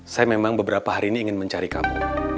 saya memang beberapa hari ini ingin mencari kamu